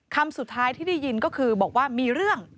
คำสุดท้ายที่ได้ยินก็คือบอกว่ามีเรื่อง